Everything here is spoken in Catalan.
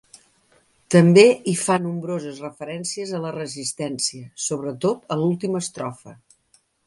També hi fa nombroses referències a la Resistència, sobretot a l'última estrofa.